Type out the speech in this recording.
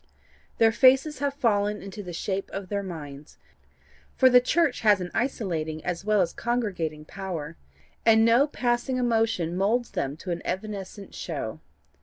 Their faces have fallen into the shape of their minds, for the church has an isolating as well as congregating power, and no passing emotion moulds them to an evanescent show.